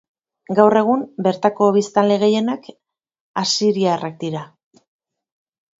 Gaur egun, bertako biztanle gehienak, asiriarrak dira.